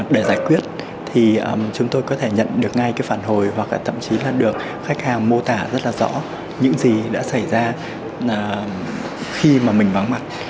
để giải quyết thì chúng tôi có thể nhận được ngay cái phản hồi hoặc thậm chí là được khách hàng mô tả rất là rõ những gì đã xảy ra khi mà mình vắng mặt